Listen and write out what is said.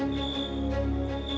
dia segera mengenali suara itu